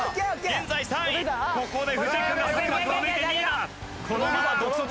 現在３位だ。